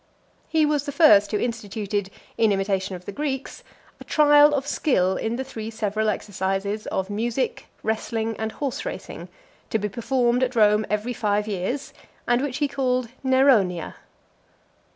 He was the first who instituted , in imitation of the Greeks, a trial of skill in the three several exercises of music, wrestling, and horse racing, to be performed at Rome every five years, and which he called Neronia.